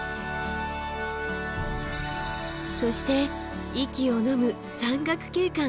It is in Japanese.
そして息をのむ山岳景観。